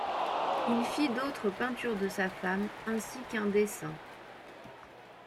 Il fit d'autres peintures de sa femme ainsi qu'un dessin.